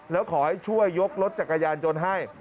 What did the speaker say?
แล้วขอให้ช่วยยกรถจักรยานยนต์ให้